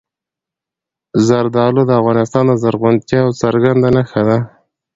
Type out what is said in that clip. زردالو د افغانستان د زرغونتیا یوه څرګنده نښه ده.